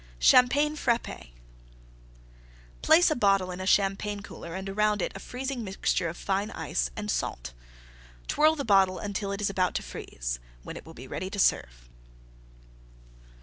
CHAMPAGNE FRAPPE Place a bottle in a Champagne cooler and around it a freezing mixture of fine Ice and Salt. Twirl the bottle until it is about to freeze, when it will be ready to serve.